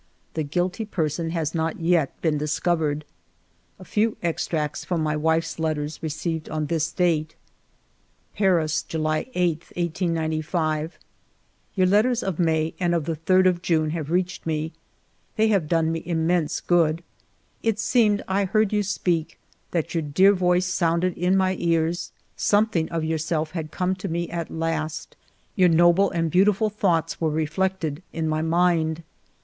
The guilty person has not yet been discovered. A few extracts from my wife's letters received on this date :—Paris, July 8, 1895. "Your letters of May and of the 3d of June have reached me. They have done me immense good. It seemed I heard you speak, that your dear voice sounded in my ears ; something of yourself had come to me at last, your noble and beautiful thoughts were reflected in my mind.